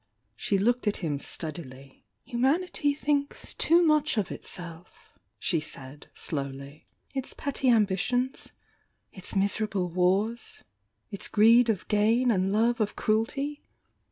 She looked at him steadily. "Humanity thinks too much of itself," she said, slowly. "Its petty ambitions, — its miserable wars, — its greed of gain and love of cruelty!